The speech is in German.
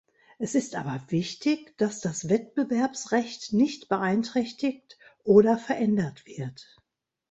Es ist aber wichtig, dass das Wettbewerbsrecht nicht beeinträchtigt oder verändert wird.